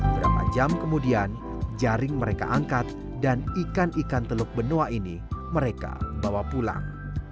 berapa jam kemudian jaring mereka angkat dan ikan ikan teluk benoa ini mereka bawa pulang